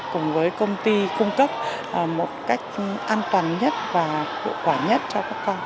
cùng với công ty cung cấp một cách an toàn nhất và hiệu quả nhất cho các con